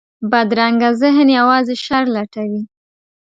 بدرنګه ذهن یوازې شر لټوي